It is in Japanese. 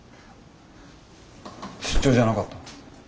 出張じゃなかったの？